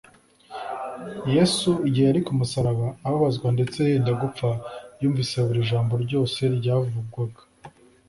yesu igihe yari ku musaraba ababazwa ndetse yenda gupfa, yumvise buri jambo ryose ryavugwaga